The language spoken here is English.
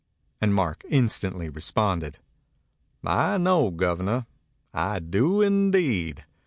" And Mark instantly responded, "I know, Governor, I do indeed!